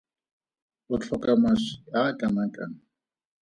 O tlhoka mašwi a a kanakang?